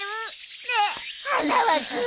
ねえ花輪君！